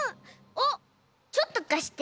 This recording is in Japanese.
あっちょっとかして！